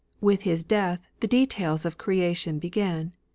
With his death the details of creation began.